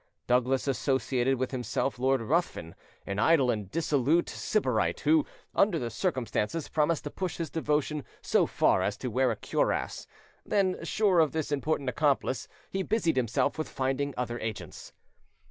Douglas associated with himself Lord Ruthven, an idle and dissolute sybarite, who under the circumstances promised to push his devotion so far as to wear a cuirass; then, sure of this important accomplice, he busied himself with finding other agents.